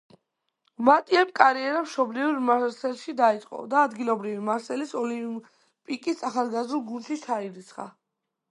მატიემ კარიერა მშობლიურ მარსელში დაიწყო და ადგილობრივი „მარსელის ოლიმპიკის“ ახალგაზრდულ გუნდში ჩაირიცხა.